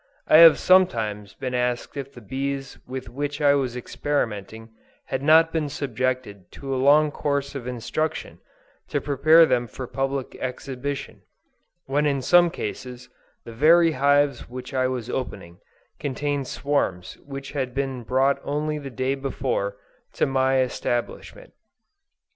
I have sometimes been asked if the bees with which I was experimenting, had not been subjected to a long course of instruction, to prepare them for public exhibition; when in some cases, the very hives which I was opening, contained swarms which had been brought only the day before, to my establishment.